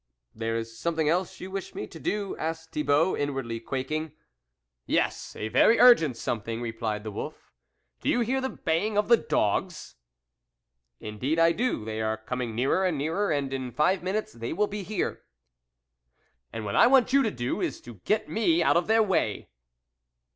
" There is something else you wish me to do" asked Thibault, inwardly quaking, "Yes, a very urgent something," re plied the wolf. " Do you hear the baying of the dogs ?"" Indeed I do, they are coming nearer and nearer, and in five minutes they will be here." " And what I want you to do is to get me out of their way."